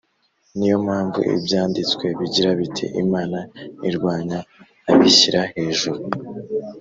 Ni yo mpamvu ibyanditswe bigira biti Imana irwanya abishyira hejuru